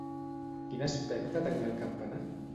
Quin aspecte tenia el campanar?